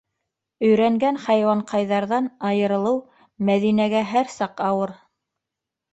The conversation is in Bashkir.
Өйрәнгән хайуанҡайҙарҙан айырылыу Мәҙинәгә һәр саҡ ауыр.